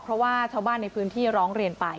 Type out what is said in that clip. เพราะว่าชาวบ้านในพื้นที่ร้องเรียนไป